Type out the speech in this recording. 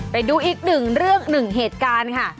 ไปดูอีก๑เรื่อง๑เหตุการณ์ค่ะ